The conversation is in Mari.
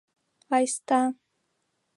Айста-а!